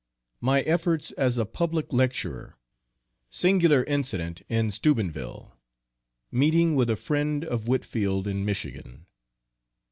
My efforts as a public lecturer. Singular incident in Steubenville Meeting with a friend of Whitfield in Michigan.